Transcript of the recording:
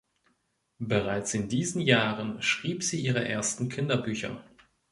Bereits in diesen Jahren schrieb sie ihre ersten Kinderbücher.